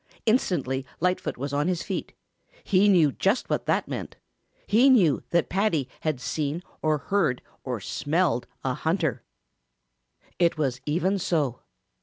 Instantly Lightfoot was on his feet. He knew just what that meant. He knew that Paddy had seen or heard or smelled a hunter. It was even so.